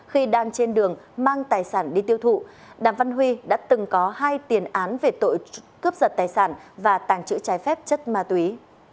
khi đang trên đường mang tài sản đi tiêu thụ đàm văn huy đã từng có hai tiền án về tội cướp giật tài sản và tàng trữ trái phép chất ma túy